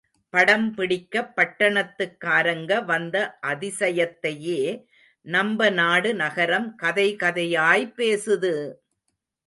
படம் பிடிக்க பட்டணத்துக்காரங்க வந்த அதிசயத்தையே நம்ப நாடு நகரம் கதை கதையாய் பேசுது!